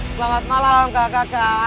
selamat malam kakak kakak